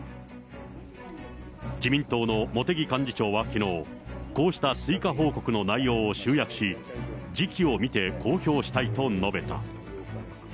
自民党の茂木幹事長はきのう、こうした追加報告の内容を集約し、時機を見て公表したいと述べた。